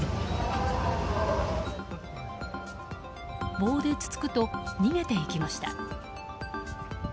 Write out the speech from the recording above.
棒でつつくと逃げていきました。